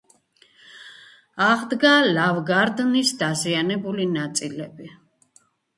აღდგა ლავგარდნის დაზიანებული ნაწილები.